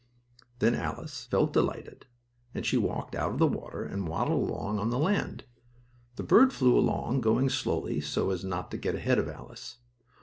Then Alice felt delighted, and she walked out of the water, and waddled along on the land. The bird flew along, going slowly, so as not to get ahead of Alice.